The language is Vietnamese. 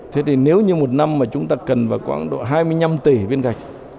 thế thì nếu như một năm mà chúng ta cần vào khoảng độ hai mươi năm tỷ viên gạch